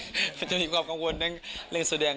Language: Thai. ก็จะมีความกังวลในเลี้ยงแสดง